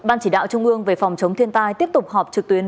ban chỉ đạo trung ương về phòng chống thiên tai tiếp tục họp trực tuyến